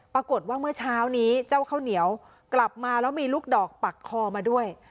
เมื่อเช้านี้เจ้าข้าวเหนียวกลับมาแล้วมีลูกดอกปักคอมาด้วย